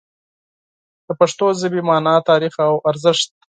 د پښتو ژبې مانا، تاریخ او ارزښت